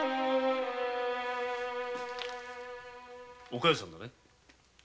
お加代さんだね。